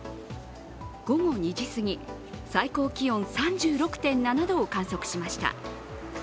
午後２時すぎ、最高気温３６．７度を観測しました。